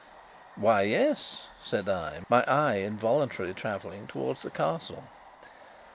"Why, yes," said I, my eye involuntarily travelling towards the Castle.